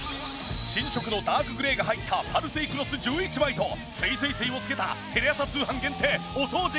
新色のダークグレーが入ったパルスイクロス１１枚とすいすい水を付けたテレ朝通販限定お掃除